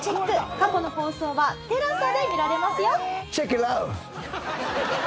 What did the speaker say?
過去の放送はＴＥＬＡＳＡで見られますよ！